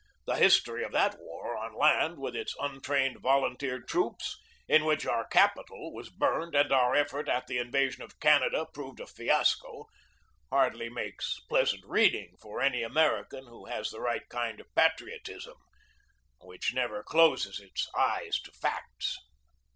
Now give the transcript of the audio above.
The history of that war 16 GEORGE DEWEY on land, with its untrained volunteer troops, in which our Capitol was burned and our effort at the inva sion of Canada proved a fiasco, hardly makes pleas ant reading for any American who has the right kind of patriotism, which never closes its eyes to facts.